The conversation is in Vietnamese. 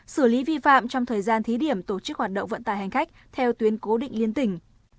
xử lý vi phạm trong thời gian thí điểm tổ chức hoạt động vận tải hành khách theo tuyến cố định liên tỉnh